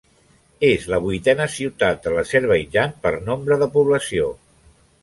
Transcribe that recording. És la vuitena ciutat de l'Azerbaidjan per nombre de població.